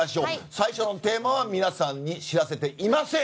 最初のテーマは皆さんに知らせていません。